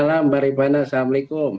selamat malam beri panah assalamualaikum